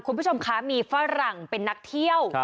คุณผู้ชมคะมีฝรั่งเป็นนักเที่ยว